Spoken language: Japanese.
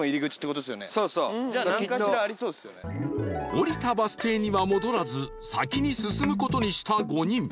降りたバス停には戻らず先に進む事にした５人